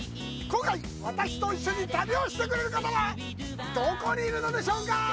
今回、私と一緒に旅をしてくれる方はどこにいるのでしょうか。